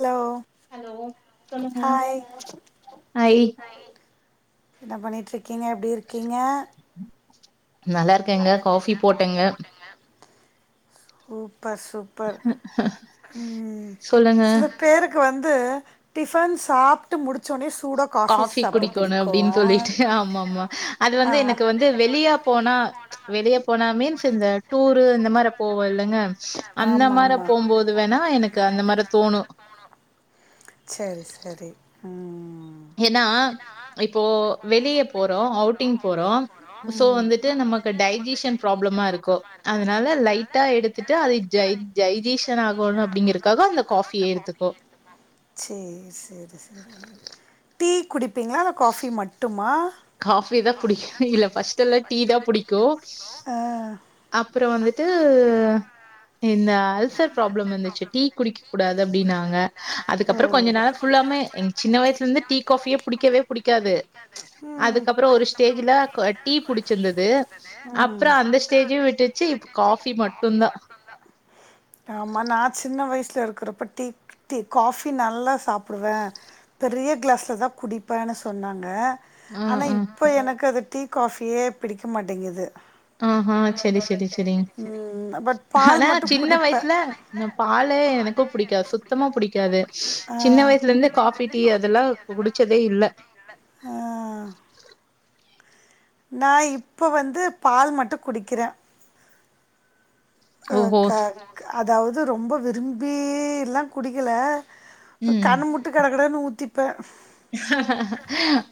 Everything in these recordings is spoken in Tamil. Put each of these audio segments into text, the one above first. ஹலோ ஹலோ சொல்லுங்க ஹாய் ஹாய் என்ன பண்ணிகிட்ருக்கீங்க எப்டிருக்கீங்க நல்லாருக்கேங்க காஃபி போட்டேங்க சூப்பர் சூப்பர் ம் சொல்லுங்க சில பேருக்கு இங்க வந்து டிஃபன் சாப் த்து முடிச்சோனே சு காஃபி குடிக்கணு அப்டினு சொல்லிட்டு ஆமா ஆமா அது ஆ வந்து எனக்கு வந்து வெளிய போனா வெளிய போனா மீன்ஸ் இந்த டூரு இந்த மாரி போவோல்லங்க அந்த ஆமா மார ஆமா போம்போது வேணா எனக்கு அந்த மாரி தோணு சரி சரி ம் ஏன்னா இப்போ வெளிய போறோ அவுட்டிங் போறோ சோ ம் வந்துட்டு நமக்கு டைஜிஷன் ப்ராப்ளமாருக்கு அதனால லைட்டா எடுத்துட்டு அது ஜை ஜைஜிஷன் ஆகணு அப்டிங்றக்காக அந்த காஃபிய எடுத்துக்கு சேரி சேரி சேரி டீ குடிப்பீங்ளா இல்ல காஃபி மட்டுமா காஃபி தா புடிக்கு இல்ல ஃபர்ஸ்ட்டெல்லா டீ தா புடிக்கூ அ அப்புறோ வந்துட்டு இந்த அல்சர் ப்ராப்ளம் வந்துச்சு டீ குடிக்கக்க கூடாது அப்டினாங்க அதுக்கப்புறம் ஓ கொஞ்ச நாளா ஃபுல்லாமே எங்க சின்ன வயசுல இருந்து டீ காஃபியே புடிக்கவே புடிக்காது ம் அதுக்கப்புறோ ஒரு ஸ்டேஜ்ல டீ புடிச்சிருந்தது ம் அப்புறொ அந்த சேஜி விட்டுச்சி இப்ப காஃபி மட்டுந்தா ம்மா நா சின்ன வயசுல இருக்கிறப்ப டீ காஃபி நல்லா சாப் ப்புடுவ பெரிய க்ளாஸ்ல தா குடிப்பேனு சொன்னாங்க ம் ஆனா இப் ம் இப்போ எனக்கு அது டீ காஃபியே பிடிக்க மாட்டேங்குது ஆஹா செரி செரி செரிங் ம் பட் பால் ஆனா மட்டு சின்ன குடிப்பே வயசுல பாலே எனக்கும் புடிக்காது சுத்தமா புடிக்காது ஆ சின்ன வயசுல இருந்து இந்த காஃபி டீ அதெல்லா குடிச்சதே இல்ல ஆ நா இப்போ வந்து பால் மட்டு குடிக்கிறே ஓஹோ க அதாவ்து ரொம்ப விரும்பில்லா குடிக்கல ம் கண்ணு மூட்டு கடக்கடன்னு ஊத்திப்பே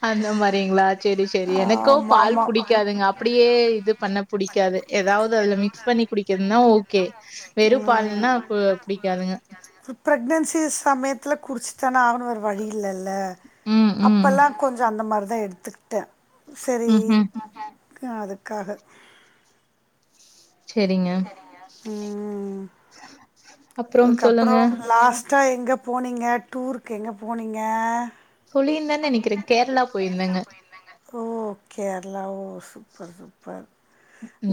அந்த மாரிங்ளா செரி செரி எனக்கோ ஆமா பால் ஆமா புடிக்காதுங்க அப் அப்டியே இது பண்ண புடிக்காது எதாவ்து அதுல மிக்ஸ் பண்ணி குடிக்கதுன்னா ஓகே வெறும் ம் பால்ன்னா கு புடிக்காதுங்க ப்ரெக்னன்சி சமயத்துல குடிச்சி தான ஆகனு வேர வழி இல்லல்ல ம் ம் அப்பல்லாம் கொஞ்சொ அந்த மாரி தா எடுத்துக்கிட்டே செரி ம்ஹ்ம். அதுக்காக செரிங்க அதுக்கப்புறோ லாஸ்ட்டா எங்க போனீங்க டூருக்கு எங்க போனீங்க சொல்லியிருந்தனு நெனைக்கிறே கேர்ளா போயிருந்தேங்க ஓ கேர்ளா ஓ சூப்பர் சூப்பர்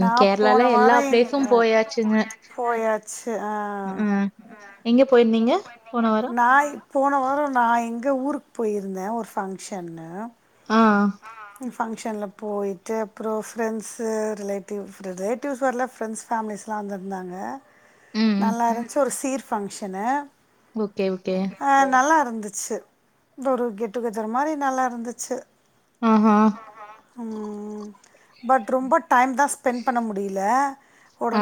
நா கேரளால போன எல்லா வாரொ பிளேஸும் எங்க போயாச்சுங்க. போயாச்சு ஆ ம். எங்க போயிருந்தீங்க? போன வாரம்? நா போன வாரொ நா எங்க ஊருக்கு போயிருந்தே ஒரு ஃபங்க்ஷன்னு அ பங்க்ஷன்ல போயிட்டு அப்பறோ ப்ரெண்ட்ஸு ரிலேட்டிவ் ரிலேட்டிவ்ஸ் வரல ப்ரெண்ட்ஸ் ஃபேமிலிஸ்லா வந்திருந்தாங்க ம், ம். நல்லா இருந்துச்சு ஒரு சீர் ஃபங்க்ஷனு ஓகே ஓகே அ நல்லா இருந்துச்சு இந்த ஒரு கெட்டு கெதர் மாரி நல்லா இருந்துச்சு அ ஹ ம் பட் ரொம்ப டைம் தா ஸ்பென் பண்ண முடியல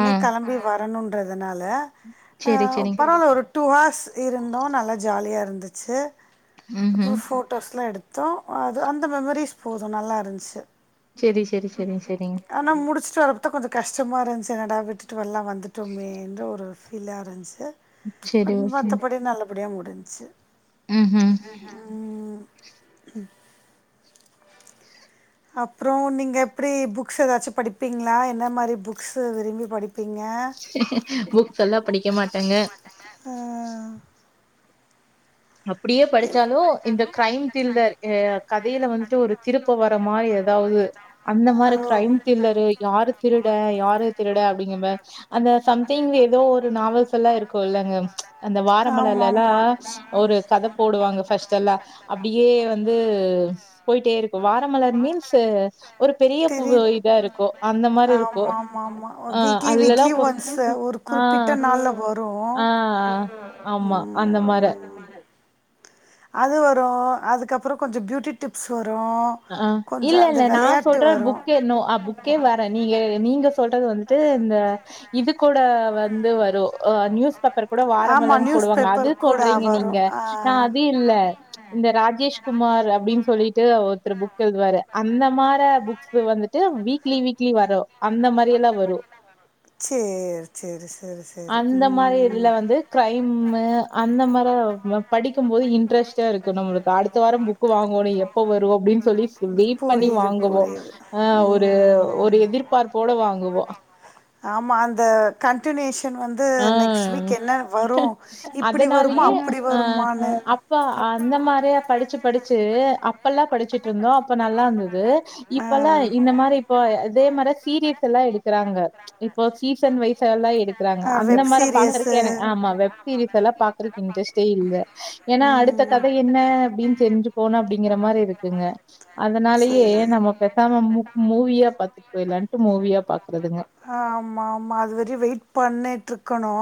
ஆ. கெளம்பி வரணுன்றதுனால அ சரி, சரிங். பரவால்ல ஒரு டூ ஹார்ஸ் இருந்தோ நல்லா ஜாலியா இருந்துச்சு அப்புறொ ம்ஹ்ம். ஃபோட்டோஸ்லா எடுத்தோ அது அந்த மெமரிஸ் போது நல்லா இருந்ச்சு செரி செரி செரிங் செரிங் ஆனா முடிச்ட்டு வரப்போ தா கொஞ்சொ கஷ்டமா இருந்ச்சு என்னடா விட்டுட்டு எல்லா வந்துட்டோமேன்ற ஒரு ஃபீல்லா இருந்ச்சு சரி, பட் ஓகேங்க. மத்தபடி நல்லபடியாக முடிஞ்ச்சு ம்ஹும் ம் ம் அப்பறோ நீங்க எப்டி புக்ஸ் ஏதாச்சு படிப்பீங்களா என்ன மாரி புக்ஸு விரும்பி படிப்பு [unintelligible] புக்ஸ் எல்லா படிக்க மாட்டாங்க அ அப்டியே படிச்சாலு இந்த கெரைம் த்ரில்லர் கதையில வந்துட்டு ஒரு திருப்ப வர மாரி ஏதாவது அந்த மாரி ஓ கெரைம் த்ரில்லரு யாரு திருடே யாரு திருடே அப்டிங்க அந்த சம்திங்ல ஏதோ ஒரு நாவல்ஸ் எல்லா இருக்கு இல்லைங்க அந்த ஆமா வாரமலர்ல்லா எல்லா ஆமா ஒரு கத் போடுவாங்கபஸ்ட் எல்லா அப்டியே வந்து போயிட்டே இருக்கு வாரமலர் மீன்ஸ் ஒரு பெரிய தெரியுது இதா இருக்கு அந்த மாரி இருக்கு ஆமா ஆமா ஆமா அ வீக்லி அதுலலா வீக்லி போ ஒன்ஸ் ஒரு அ குறிப்பிட்ட நாள்ல வரு அ ஆமா அந்த மாரி அது வரு அதுக்கப்பறோ கொஞ்சோ பியூட்டி டிப்ஸ் வரு அ கொஞ்சோ இல்ல அந்த இல்ல நா வெளையாட்டு சொல்றே வரு புக்கேனு புக்கே வரேன் நீங்க நீங்க சொல்லி சொல்றது வந்துட்டு அந்த இது கூட வந்து வரு நியூஸ் பேப்பர் கூட ஆமா வாரமலர்ன்னு நியூஸ் போடுவாங்க அது பேப்பர் கூட சொல்றீங்க வரு நீங்க ஆ நா அதே இல்ல இந்த ராஜேஷ்க குமார் அப்டின்னு சொல்லிட்டு [unintelligible] வேற அந்த மார புக்ஸ் வந்துட்டு வீக்லி வீக்லி வரு அந்த மாரி எல்லா வரு சேரி சேரி சேரி சேரி ம் கெரைமு அந்த மாரி படிக்கும் போது இன்ட்ரெஸ்ட்டா இருக்கு நம்மளுக்கு அடுத்த வாரம் புக் புக் வாங்கோனு எப்ப வரு அப்டின்னு சொல்லி சொல்லி வெய்ட் பண்ணி புரியுது வாங்குவோ புரியுது அ ஒரு ம் ஒரு எதிர்பார்ப்போட வாங்குவோ ஆமா அந்த கன்ட்னேஷன் வந்து வந்து நெக்ஸ்ட் ஆ. வீக் என்ன வரு இப்டி வருமா அதனாலயே அப்டி அ வருமானு அப்ப அந்த மாரியா படிச்சு படிச்சு அப்பெல்லா படிச்சுட்டு இருந்தோ அப்ப நல்லா இருந்தது ஆ இப்பல்லா இந்த மாரி இப்போ அதே மாரி சீரியல்ஸ் எல்லா எடுக்கிறாங்க இப்போ சீசன் வைஸ் எல்லா எடுக்கறாங்க ஆ அந்த வெப் மாரி பாக்குறக்கு சீரியஸு எனக்கு ஆமா வெ சீரிஸ் எல்லா பாக்கறதுக்கு இன்ட்ரெஸ்ட்டே இல்ல ஏன்னா அடுத்த கதை என்ன அப்டின்னு தெரிஞ்சு போனு அப்டிங்கிற மாரி இருக்குங்க அதனாலேயே சேரி நம்ம பேசாம மூ மூவியா பாத்துட்டு போய்ராலான்ட்டு மூவியா பாக்குறதுங்க ஆமா ஆமா அதுவர வெயிட் பண்ணிடட்டுருக்கணு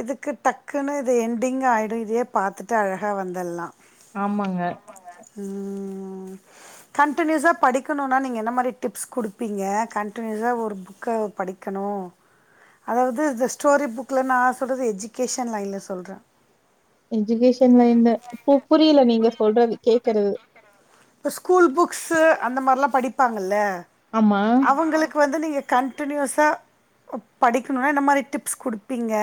இதுக்கு டக்குன்னு இது என்டிங்க் ஆகிடும் இதையே பாத்துட்டு அழகாக வந்துடலா ஆமாங்க ம் கன்டினியூஸா படிக்கணுன்னா நீங்க என்ன மாரி டிப்ஸ் குடுப்பீங்க ருக்க படிக்கணு அதாவது இந்த ஸ்டோரி புக்ல நா சொல்றது எஜுகேஷன் லைன்ல சொல்றே எஜுகேஷன் லைன்ல பு புரியல நீங்க சொல்றது கேக்குறது இப்ப ஸ்கூல் புக்ஸு அந்த மாரிலா படிப்பாங்கல்ல ஆமா. அவுங்களுக்கு வந்து நீங்க கன்டினியூஸா படிக்கணுனா என்ன மாரி டிப்ஸ் குடுப்பீங்க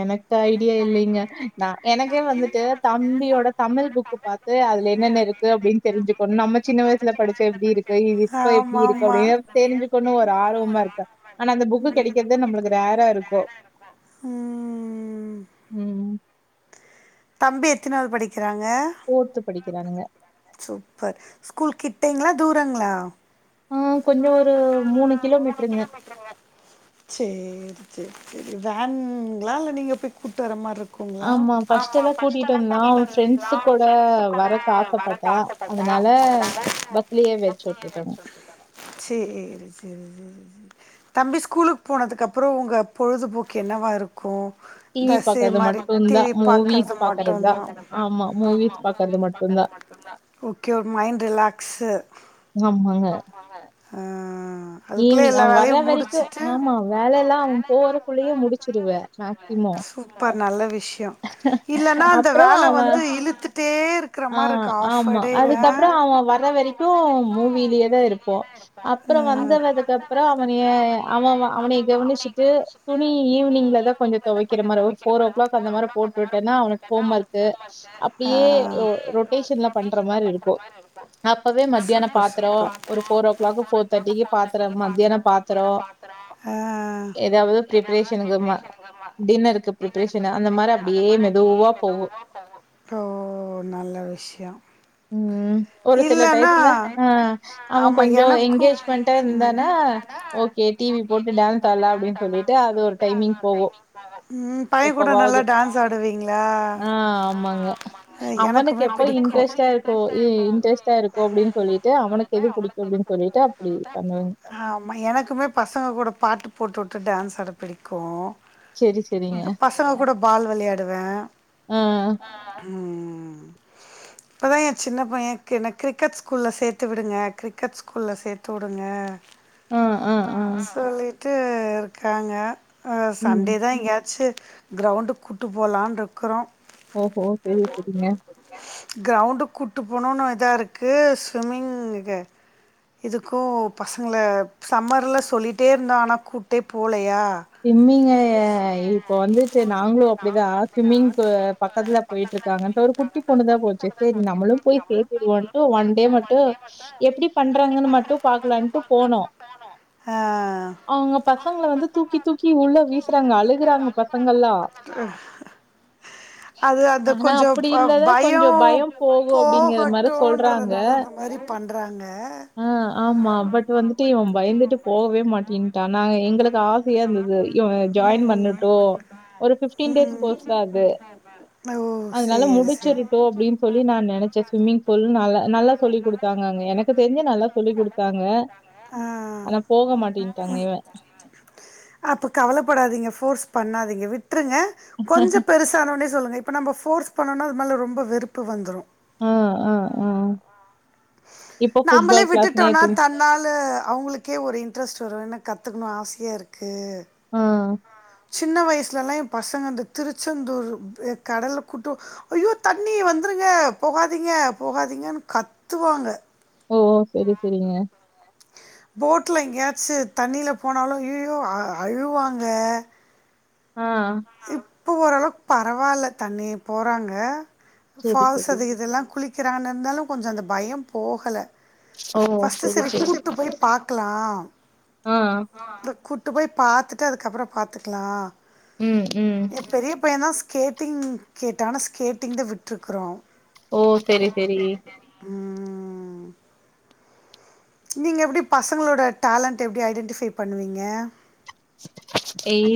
எனக்கு ஐடியா இல்லைங்க நா எனக்கே வந்துட்டு தம்பியோட தமிழ் புக்கு பாத் து அதுல என்னென்ன இருக்கு அப்டின்னு தெரிஞ்சுக்கணு நம்ம வயசுல படிச்சது எப்டிருக்கு இது இப்ப எப்டிருக்கு ஆமாமா. அப்டின்னு தெரி்ஞ்சுக்கணு ஒரு ஆர்வமாருக்க ஆனா அந்த புக்கு கடைக்கிறது நம்மளுக்கு ரேராருக்கு ம்ம் ம் தம்பி எத்தனாவது படிக்கிறாங்க ஃபோர்த்து படிக்கிறானுங்க சூப்பர் ஸ்கூல் கிட்டேங்ளா தூரங்ளா ஆ கொஞ்சோ ஒரு மூணு கிலோ மீட்டருங்க சேரி சேரி சேரி வேன்ங்கல இல்ல நீங்க போய் கூட்டு வர்ற மாரி இருக் ஃபர்ஸ்ட் ஆமா எல்லாம் ஃப்ஸ்ட்டெல்லா வந்தான். கூட்டிட்டு அவன் வந்துருக்குலா ஃப்ரெண்ட்ஸ் கூட ஃப்ரன்ஸ் கூட வரக்கு வரத்துக் ஆசைப்பட்டா. ஆசப் அதனால பஸ்லயே வச்சு விட்டுட்டோங்க. சேரி சேரி சேரி தம்பி ஸ்கூலுக்கு போனதுக்கு அப்புறோ உங்க பொழுதுபோக்கு என்னவாருக்கு ங்க டிவி சே பாக்கறது மாரி மட்டுந்தா டிவி மூவிஸ் பாக்கறது பாக்கறதுதா மட்டும்தான் ஆமா மூவிஸ் பாக்கறது மட்டுந்தா ஓகே ஒரு மைண்ட் ரிலாக்ஸு ஆமாங்க ம் ம் ஈவினிங் அவ வர்ற வரைக்கு ஆமா வேலெல்லா அவ போறக்குள்ளேயே முடிச்சிருவே மேக்சிமம் சூப்பர் நல்ல விஷ்யோ இல்லன்னா அந்த அப்றோ வேல அவ வந்து இழுத்துட்டே இரு ஆ ஆமா அதுக்கப்புறோ அவ வர வரைக்கு க்கு மூவிலயே தா இருப்போ அப்புறோ வந் துக்கப்புறோ அவனயே அவ அவனை கவனிச்சுட்டு துணி ஈவினிங்ல தா கொஞ்சோ தொவைக்கிற மாதிரி ஃபோ ஓ கிளாக் அந்த மாரி போட்டு உட்டேன்னா அவனுக்கு ஹோம் ஒர்க் அப்டியே ரொட்டேஷன்ல பண்ற மாரி இருக்கு போ அப்பவே மத்தியான பாத்திரோ ஒரு ஃபோர் ஓ கிளாக் ஃபோர் தேர்ட்டிக்கி பாத்திரோ மத்தியான பாத்திரோ ஆ ஏதாவது பிப்ரேஷனுக்கு ம டின்னருக்கு பிப்ரேஷன் அந்த மாரி அப்படியே மெதுவா போகு ஓ நல்ல விஷயோ ம் ஒரு சில இல்லன்னா டயத்துல ஆ அவ ஆமா கொஞ்சோ எனக்கு எங்கேஜ் அ ம் இருந்தனா ஓகே டி வி போட்டு டான்ஸ் ஆட்லா அப்டின்னு சொல்லிட்டு அது ஒரு டைமிங் போகு ம் பைய கூட எப்பவாது நல்லா டான்ஸ் ஆடுவீங்களா ஆ ஆமாங்க அவனுக்கு எப்போ இன்ட்ரெஸ்ட்டாருக்கு அ இன்டர் ஸ்ட்டாருக்க அப்டின்னு சொல்லிட்டு அவனுக்கு எது பிடிக்கு அப்டின்னு சொல்லிட்டு அப்படி பண்ணுவேங்க. ஆமாம் எனக்குமே பசங்க கூட பாட்டு போட்டுவுட்டு டான்ஸ்ஸாட பிடிக்கு சரி, சரிங்க. பசங்க கூட பால் விளையாடுவே ஆ ம் ம் ம் இப்பதா என் சின்ன பையே கி என்ன கிரிக்கெட் ஸ்கூல்ல சேத்து விடுங்க கிரிக்கெட் ஸ்கூல்ல சேத்து உடுங்க ஆ, ஆ, ஆ. சொல்லிட் ட்டு இருக்காங்க அ ம். சண்டே தா எங்கேயாச்சு கிரௌண்டுக் கூட்டு போலான்னுட்ருக்குறோ ஓஹோ! சரி, சரிங்க. கிரௌண்டு கூட்டு போனுன்னு இதாருக்கு ஸ்விம்மிங் இருக்கே இதுக்கு பசங்கள சம்மர்ல்ல சொல்லிட்டே இருந்தோ ஆனா கூட்டே போலே யா ஸுவிம்மிங்க இப்போ வந்துட்டு நாங்களு அப்டிதா ஸ்விம்மிங்கு பக்கத்துல போயிட்டு இருக்காங்க ஒரு குட்டி பொண்ணு தா போச்சு சேரி நம்மளு போய் சேத்தடுவோம்ன்ட்டு ஒன் டே மட்டு எப்டி பண்றாங்கன்னு மட்டு பாக்கலான்ட்டு போனோ ஆஹ், அவுங்க பசங்க வந்து தூக்கிட் தூக்கி உள்ள வீசுராங்க அழு அழுகுராங்க பசங்கல்லா அது அந்த ஆனா கொஞ்சோ அப்படி இருந்தத பயோ கொஞ்சம் பயம் போகும் அப்படிங்கிற மாரி சொல்றாங்க. போகட்டுன்றதுனால அந்த மாரி பண்றாங்க ஆ ஆமா பட் வந்துட்டு இவ பயந்துட்டு போகவே மாட்டின்ட்டா நாங்க எங்களுக்கு ஆசையா இருந்துது இவுங்க ஜாயின் பண்ணட்டோ ஒரு பிப்டன் டேஸ் கோர்ஸ் தா அது அ ஓ ஓ அதனால முடிச்சிருட்டு அப்டின்னு சொல்லி நா நெனைச்சே ஸ்விம்மிங் பூல் நல்ல நல்ல சொல்லிக் கொடு டுத்தாங்கங்க எனக்கு தெரிஞ்சு நல்லா சொல்லி கொடுத்தாங்க ஆ ஆனா போக மாட்டேட்டாங்க இவ அப்போ கவலப்படாதீங்க ஃபோர்ஸ் பண்ணாதீங்க விட்டுருங்க கொஞ்சோ பெருசா சன்னோன்னே சொல்லாங்க இப்ப நம்போ ஃபோர்ஸ் பண்ணோனா அது மேல ரொம்ப வெறுப்பு வந்துரு அ அ அ இப்போ ஃபுட்பால் க்ளாஸ் நேத்துருந் அதனாலு அவுங்களுக்கே ஒரு இன்ட்ரெஸ்ட் வருவேன்னு கத்துக்குணுன் ஆசையாருக்கு ஆ சின்ன வயசுலலா எ பசங்க அ இந்த திருச்செந்தூர் கடல கூட்டு ஐயோ தண்ணி வந்துருங்க போகாதீங்க போகாதீங்கன்னு கத்துவாங்க ஓ சேரி சேரிங்க போட்டில எங்கேயாச்சு தண்ணியில் போனாலு அய்யய்யோ அ அழுவாங்க ஆ இப்போ ஓரளவுக்கு பரவாயில்ல தண்ணி போறாங்க சரி, ஃபால்ஸ் சரி. அது இதெல்லா குளி க்கிறாங்க இருந்தாலு கொஞ்சோ அந்த பயோ போகல ஓ! பஸ்ட்டு சரி, சேரி கூட்டு போய் பாக்கலா அ ஆ கூட்டு போய் பாத்துட்டு ‌அதுக்கப்றோ பாத்துக்கலா ம் ம் எ பெரிய பைய தா ஸ்கேட்டிங் கேட்டானு ஸ்கேட்டிங் தா விட்டுருக்குறோ ஓ சேரி சேரி ம் நீங்க எப்டி பசங்களோட டேலண்ட்ட எப்டி ஐடென்டிஃபை பண்ணுவீங்க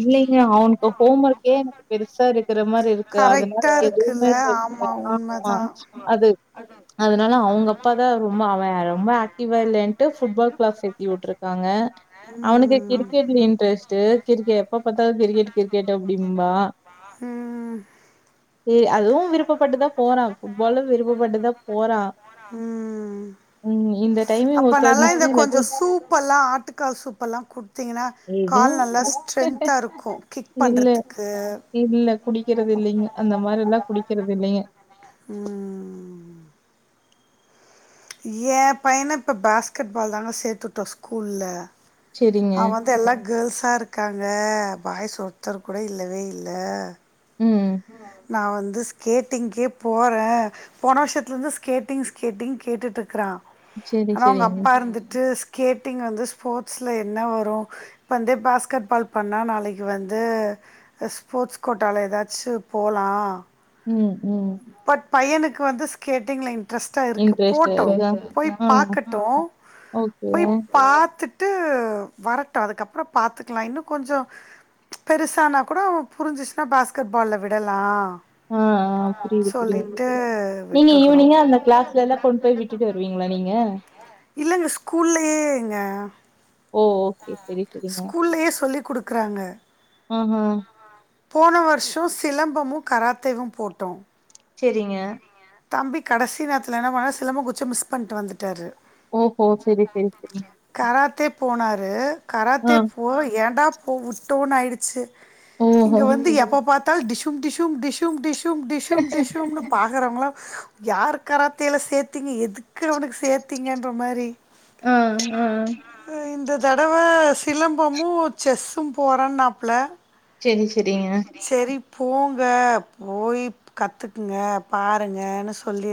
இல்லைங்க அவனுக்கு ஹோம் ஒர்க்கே எனக்கு பெருசா இருக்குற மாரி இருக்கு அதனால கரெக்டா எதுவுமே இருக்குல்ல இல்ல ஆமா உண்மதா அதனால அவங்க அப்பா தா ரொம்ப அவ ரொம்ப ஆக்டிவா இல்லைன்ட்டு புட்பால் கிளாஸ் சேத்தி விட்டுருக்காங்க அவனுக்கு ம் கிரிக்கெட்ல இன்ட்ரெஸ்ட் கிரிக்கெட் எப்ப பாத்தாலு கிரிக்கெட் கிரிக்கெட் அப்டிம்பா ம் அதுவு விருப்பப்பட்டுதா போறா புட்பாலு விருப்பப்பட்டுதா போறா ம் டைமிங் அப்ப ஒத்து நல்லா இந்த வந்துச்சுன்னா இல்லாட்டி கொஞ்சோ சூப்பெல்லா ஆட்டு கால் சூப்பெல்லா கொடுத்தீங்கன்னா எதுவும் கால் நல்லா குடி ஸ்ட்ரென்த்தா இருக்கு கிக் இல்ல, பண்ணுறதுக்கு இல்ல குடிக்கிறது இல்லிங்க அந்த மாரி எல்லா குடிக்கிறது இல்லிங்க ம் ம் ம் ஏ பையன இப்போ பேஸ்கெட்பால் தாங்க சேத்துவிட்டோ ஸ்கூல்ல சரிங்க. அவ வந்து எல்லா கேர்ள்ஸா இருக்காங்க பாய்ஸ் ஒருத்தர் கூட இல்லவே இல்ல ம் நா வந்து ஸ்கேட்டிங்க்கே போறே போன வருஷத்துல இருந்து ஸ்கேட்டிங் ஸ்கேட்டிங் கேட்டுட்டு இருக்றா சரி, ஆனா அவுங்க சரிங்க. அப்பா இருந்துட்டு கேட்டிங் வந்து ஸ்போர்ட்ஸ்ல என்ன வரு இப்பந்தே பாஸ்கெட் பால் பண்ணா நாளைக்கு வந்து அ ஸ்போர்ட்ஸ் கோட்டால ஏதா சு போலா ம் ம் பட் பையனுக்கு வந்து ஸ்கேட்டிங்ல இன் டிரஸ்ட்டா இருக்கு இன்ட்ரெஸ்ட் போட்டு இருக்கா? போய் ஆ. Packet okay. போய் பாத்துட்டு டு வரட்டு அதுக்கப்றோ பாத்துக்கலா இன்னு கொஞ்சோ பெருசானா கூட அவ புரிஞ்சிச்சுனா பாஸ்கெட்பால்ல விடலா ஆஆ ஆ புரியுது‌ புரியுது சொல்லிட்டு நீங்க விட்ருக்குறோ ஈவினிங்கா அந்த கிளாஸ்லல்லா கொண்டு போய் விட்டுட்டு வருவீங்ளா நீங்க இல்லங்க ஸ்கூல்லயேங்க ஓ! ஓகே. சரி, சரிங்க. ஸ்கூல்லயே சொல்லி குடுக்றாங்க ம்ஹூ போன வருஷோ சிலம்பமு கராத்தேவு போட்டோ செரிங்க தம்பி கடைசி நேரத்தில என்ன பண்ணா செலம்பு குச்சி மிஸ் பண்ட்டு வந்துட்டாரு ஓஹோ செரி செரி செரி கராத்தே போனாரு ஆ கராத்தே போ ஏண்டா போ விட்டோனு ஆயிருச்சு ஓஹோ இங்க வந்து எப்ப பாத்தால் டிஷும் டிஷும் டிஷும் டிஷ் ஷும் டிஷும் டிஷும்னு பாக்குறவங்களா யார் கராத்தேல சேத்தீங்க எதுக்கு அவனுக்கு சேத்தீங்கன்ற மாரி ஆ ஆஆ உ இந்த தடவ சிலம்பமு செஸ்சு போறன்னாப்புல செரி செரிங்க செரி போங்க போய் கத்துக்குங்க பாருங்கனு சொல்லி